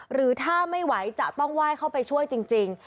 หรือถ้าไม่ไหวจะต้องไหว้เข้าไปช่วยจริง